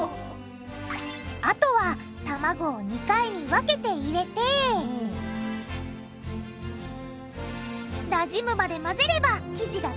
あとは卵を２回に分けて入れてなじむまで混ぜれば生地が完成！